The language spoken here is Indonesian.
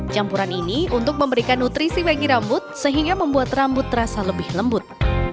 campuran ini untuk memberikan nutrisi bagi rambut sehingga membuat rambut terasa lebih lembut